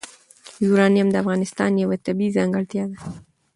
یورانیم د افغانستان یوه طبیعي ځانګړتیا ده.